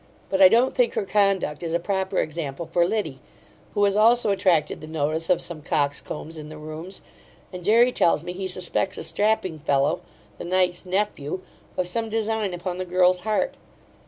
But I don't think her conduct is a proper example for Liddy, who has also attracted the notice of some coxcombs in the Rooms; and Jery tells me, he suspects a strapping fellow, the knight's nephew, of some design upon the girl's heart.